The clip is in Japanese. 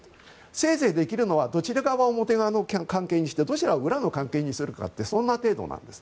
せいぜいできるのはどちら側を表にしてどちらを裏にするかってそんな程度なんです。